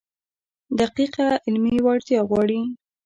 دقیقه علمي وړتیا غواړي.